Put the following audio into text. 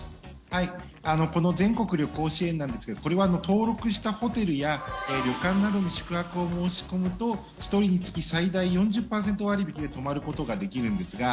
この全国旅行支援なんですがこれは登録したホテルや旅館などに宿泊を申し込むと１人につき最大４０％割引きで泊まることができるんですが